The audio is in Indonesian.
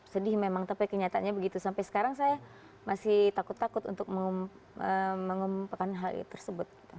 sedih memang tapi kenyataannya begitu sampai sekarang saya masih takut takut untuk mengumumkan hal tersebut